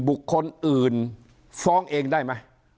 บุคคลอื่นฟ้องเองได้ไหม